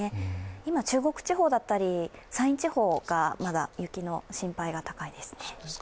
今、中国地方だったり山陰地方が雪の心配が高いですね。